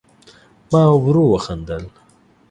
ما ورو وخندل